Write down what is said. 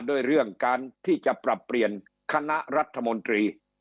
ด้วยเรื่องการที่จะปรับเปลี่ยนคณะรัฐมนตรี